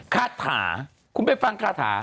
คาถาคุณไปฟังคาถา